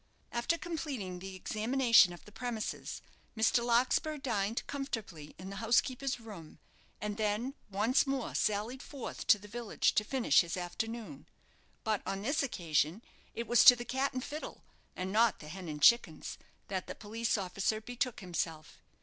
After completing the examination of the premises, Mr. Larkspur dined comfortably in the housekeeper's room, and then once more sallied forth to the village to finish his afternoon. But on this occasion it was to the "Cat and Fiddle," and not the "Hen and Chickens," that the police officer betook himself.